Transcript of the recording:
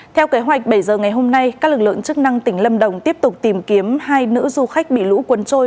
theo kế hoạch bảy giờ ngày hôm nay các lực lượng chức năng tỉnh lâm đồng tiếp tục tìm kiếm hai nữ du khách bị lũ cuốn trôi